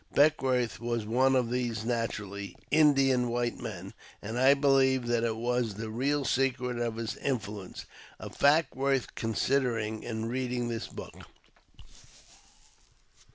Beckwourth was one of these naturally *' Indian white men," and I believe that it was the real secret of his influence — a fact worth considering in reading this book.